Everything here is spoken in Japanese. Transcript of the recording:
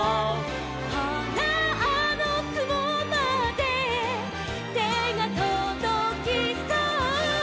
「ほらあのくもまでてがとどきそう」